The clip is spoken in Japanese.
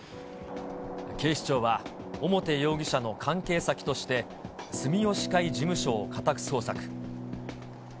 警視庁は表容疑者の関係先として、住吉会事務所を家宅捜索。